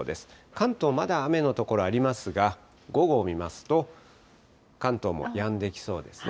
関東、まだ雨の所ありますが、午後を見ますと、関東もやんできそうですね。